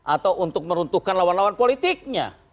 atau untuk meruntuhkan lawan lawan politiknya